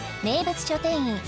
名物書店員